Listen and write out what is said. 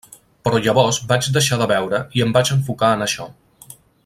Però llavors vaig deixar de beure i em vaig enfocar en això.